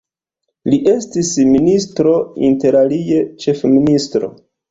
Li estis ministro, interalie ĉefministro.